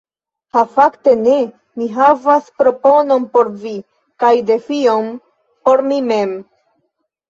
Ha fakte ne! Mi havas proponon por vi, kaj defion por mi mem.